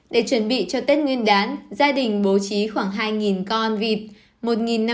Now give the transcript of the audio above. để chuẩn bị cho tết nguyên đán gia đình bố trí khoảng hai con vịt